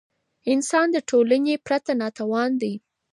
انسان د ټولني پرته ناتوان دی.